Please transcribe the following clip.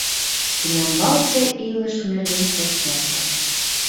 ТӰНЯМБАЛСЕ ИЛЫШ НЕРГЕН СТАТЬЯ-ВЛАК